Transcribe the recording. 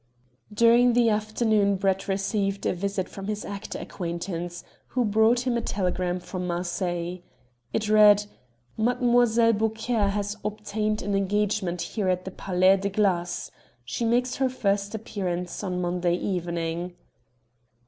During the afternoon Brett received a visit from his actor acquaintance, who brought him a telegram from Marseilles. It read "Mlle. Beauclaire has obtained an engagement here at the Palais de Glâce. She makes her first appearance on Monday evening."